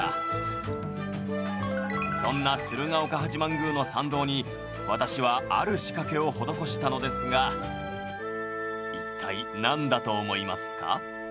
そんな鶴岡八幡宮の参道に私はある仕掛けを施したのですが一体なんだと思いますか？